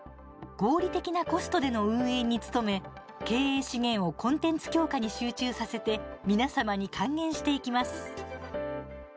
合理的なコストでの運営に努め経営資源をコンテンツ強化に集中させて皆様に還元していきます。